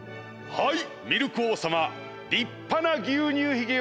はい。